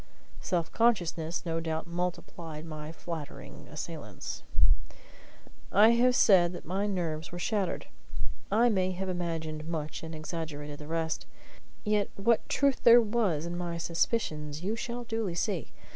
Self consciousness no doubt multiplied my flattering assailants. I have said that my nerves were shattered. I may have imagined much and exaggerated the rest. Yet what truth there was in my suspicions you shall duly see.